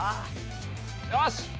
よし！